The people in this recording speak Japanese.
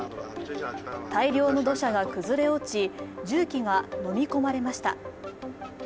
大量の土砂が崩れ落ち重機が飲み込まれました。